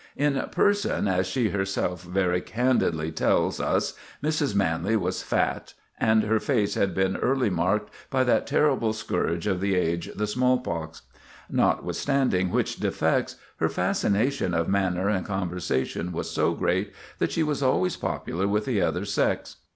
In person, as she herself very candidly tells us, Mrs. Manley was fat, and her face had been early marked by that terrible scourge of the age, the smallpox; notwithstanding which defects, her fascination of manner and conversation was so great, that she was always popular with the other sex.